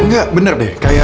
enggak bener deh kayak